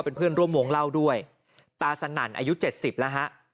เป็นเพื่อนร่วมวงเล่าด้วยตาสนั่นอายุเจ็ดสิบแล้วฮะ